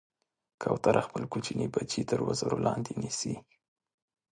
کوتره خپل کوچني بچي تر وزر لاندې نیسي.